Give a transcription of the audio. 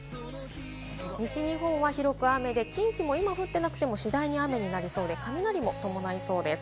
西日本は広く雨で、近畿は今降ってなくても次第に雨になりそうで、雷も伴いそうです。